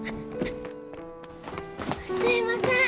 すいません。